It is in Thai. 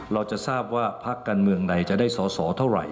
เราจะทราบว่าพักการเมืองใดจะได้สอสอเท่าไหร่